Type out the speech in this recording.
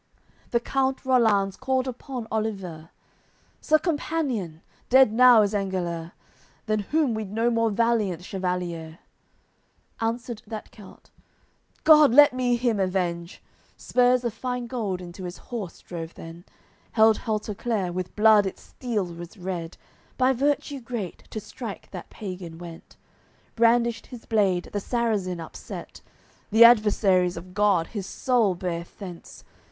AOI. CXV The count Rollanz called upon Oliver: "Sir companion, dead now is Engeler; Than whom we'd no more valiant chevalier." Answered that count: "God, let me him avenge!" Spurs of fine gold into his horse drove then, Held Halteclere, with blood its steel was red, By virtue great to strike that pagan went, Brandished his blade, the Sarrazin upset; The Adversaries of God his soul bare thence.